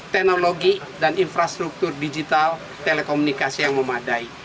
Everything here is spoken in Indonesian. teknologi dan infrastruktur digital telekomunikasi yang memadai